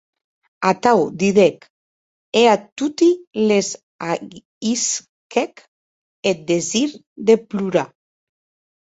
Atau didec, e a toti les ahisquèc eth desir de plorar.